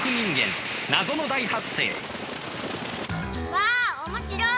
わぁ面白い！